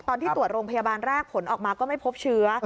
ตอนที่ตรวจโรงพยาบาลแรกผลออกมาก็ไม่พบเชื้อ